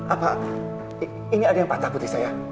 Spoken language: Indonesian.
apa ini ada yang patah putri saya